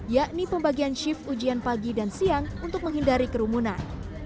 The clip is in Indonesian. yakni pembagian shift ujian pagi dan siang untuk menghindari kerumunan